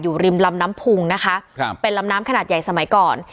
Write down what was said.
ริมลำน้ำพุงนะคะครับเป็นลำน้ำขนาดใหญ่สมัยก่อน